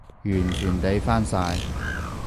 完全抵返晒